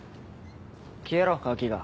消えろガキが。